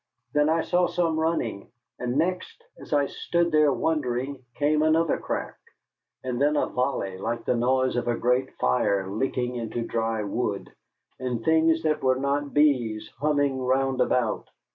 Then I saw some running; and next, as I stood there wondering, came another crack, and then a volley like the noise of a great fire licking into dry wood, and things that were not bees humming round about.